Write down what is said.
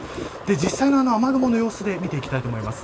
実際の雨雲の様子で見ていきたいと思います。